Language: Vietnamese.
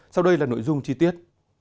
sau đây là nội dung chi tiết